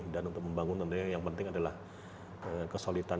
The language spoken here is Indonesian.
dan untuk membangun tentunya yang penting adalah kesulitan